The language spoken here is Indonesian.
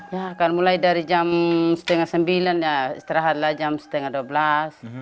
ya kan mulai dari jam setengah sembilan ya istirahatlah jam setengah dua belas